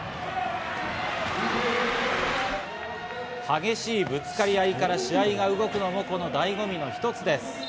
激しいぶつかり合いから試合が動くのも醍醐味の一つです。